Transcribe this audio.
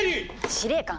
司令官。